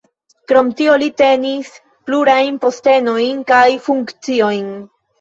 Krom tio li tenis plurajn postenojn kaj funkciojn.